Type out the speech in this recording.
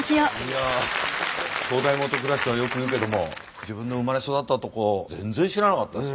「灯台下暗し」とはよく言うけども自分の生まれ育った所全然知らなかったです。